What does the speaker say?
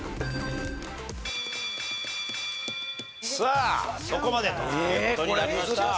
さあそこまでという事になりました。